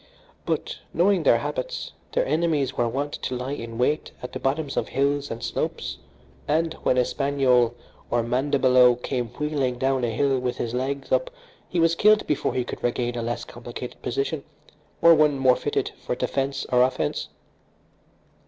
But, knowing their habits, their enemies were wont to lie in wait at the bottoms of hills and slopes, and when a Spanyol or Mandibaloe came wheeling down a hill with his legs up he was killed before he could regain a less complicated position, or one more fitted for defence or offence.